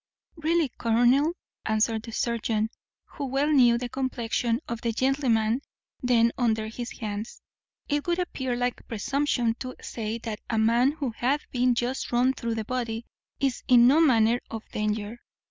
"Really, colonel," answered the surgeon, who well knew the complexion of the gentleman then under his hands, "it would appear like presumption to say that a man who hath been just run through the body is in no manner of danger.